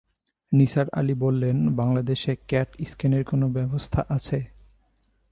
নিসার আলি বললেন, বাংলাদেশে ক্যাট স্কেনের কোনো ব্যবস্থা আছে?